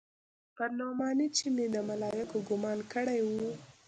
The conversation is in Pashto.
پر نعماني چې مې د ملايکو ګومان کړى و.